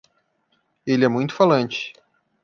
Ele é muito falante.